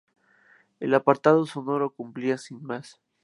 El apartado sonoro cumplía sin más.